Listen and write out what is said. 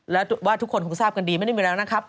แล้วว่าทุกคนคงทราบกันดีไม่ได้มีแล้วนะครับ